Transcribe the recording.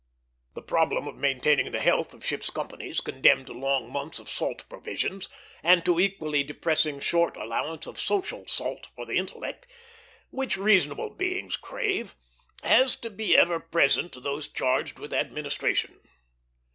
The problem of maintaining the health of ships' companies condemned to long months of salt provisions, and to equally depressing short allowance of social salt for the intellect, which reasonable beings crave, has to be ever present to those charged with administration.